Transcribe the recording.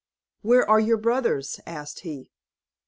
"Where are your brothers?" asked he.